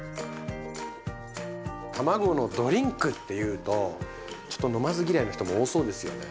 たまごのドリンクっていうとちょっと飲まず嫌いの人も多そうですよね。